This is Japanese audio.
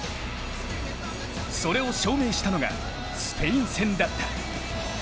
それを証明したのがスペイン戦だった。